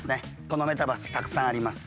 このメタバースたくさんあります。